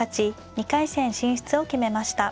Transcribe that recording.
２回戦進出を決めました。